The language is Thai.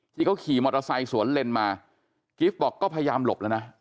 ที่เขาขี่มอเตอร์ไซค์สวนเลนมากิฟต์บอกก็พยายามหลบแล้วนะ